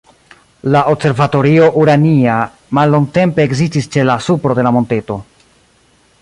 La Observatorio Urania mallongtempe ekzistis ĉe la supro de la monteto.